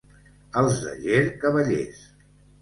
Els de Ger, cavallers.